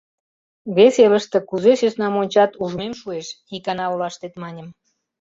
«Вес элыште кузе сӧснам ончат, ужмем шуэш», — икана олаштет маньым.